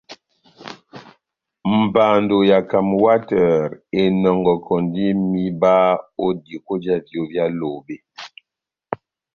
Mbando ya Camwater enɔngɔkɔndi mihiba ó diko já viyó vyá Lobe.